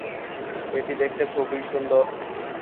এটি দেখতে খুবই সুন্দর।